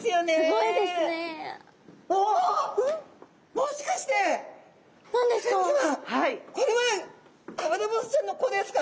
もしかして高山さまこれはアブラボウズちゃんの子ですか？